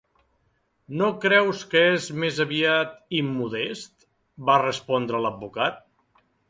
"No creus que és més aviat immodest?", va respondre l'advocat.